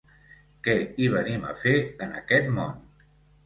Què hi venim a fer en aquest món